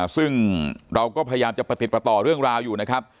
ซึ่งเราก็พยายามจะประติดประต่อเรื่องราวอยู่นะครับ